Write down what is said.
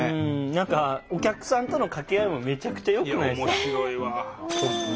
何かお客さんとの掛け合いもめちゃくちゃよくないですか。